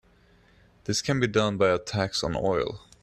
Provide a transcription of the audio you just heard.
This can be done by a tax on oil.